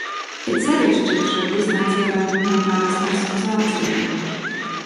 It sevišķi šo distanci ievēroja militārās personas Vācijā.